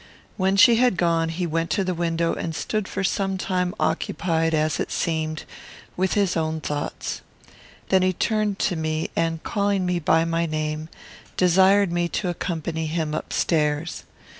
When she had gone, he went to the window and stood for some time occupied, as it seemed, with his own thoughts. Then he turned to me, and, calling me by my name, desired me to accompany him up stairs.